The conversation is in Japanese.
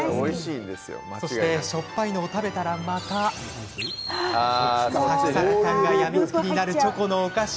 そして、しょっぱいのを食べたらまたサクサク感が病みつきになるチョコのお菓子。